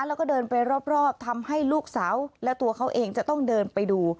แล้วก็เดินไปรอบทำให้ลูกสาวและตัวเขาเองจะต้องเดินไปดู